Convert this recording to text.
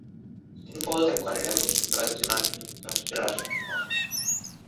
তিনি পদত্যাগ করেন এবং যুক্তরাজ্যে মার্কিন যুক্তরাষ্ট্রের রাষ্ট্রদূত হন।